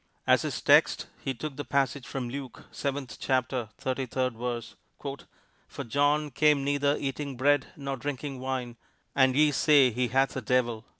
As his text he took the passage from Luke, seventh chapter, thirty third verse: "For John came neither eating bread nor drinking wine; and ye say, he hath a devil."